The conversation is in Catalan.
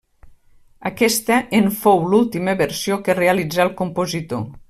Aquesta en fou l'última versió que realitzà el compositor.